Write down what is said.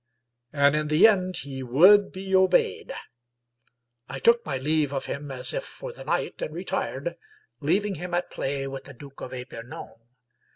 And in the end he would be obeyed. I took my leave of him as if for the night, and retired, leav ing him at play with the Duke of Epernon.